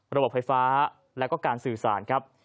ระบบไฟฟ้าแล้วก็การสื่อสารครับ